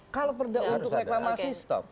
kalau untuk reklamasi stop